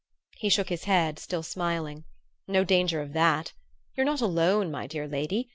He shook his head, still smiling. "No danger of that! You're not alone, my dear lady.